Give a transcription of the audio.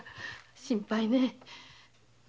心配ねえ。